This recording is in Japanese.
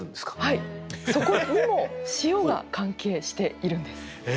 そこにも塩が関係しているんです。